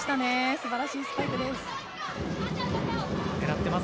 素晴らしいスパイクです。